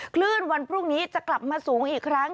คลื่นวันพรุ่งนี้จะกลับมาสูงอีกครั้ง